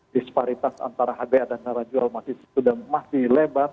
disparitas antara hadiah dan harga jual masih lebat